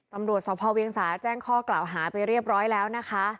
ตำรวจสพเวียงสาแจ้งข้อกล่าวหาไปเรียบร้อยแล้วนะคะ